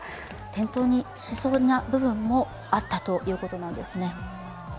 転倒しそうな部分もあったということなんですね。